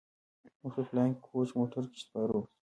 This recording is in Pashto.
موږ په فلاينګ کوچ موټر کښې سپاره سو.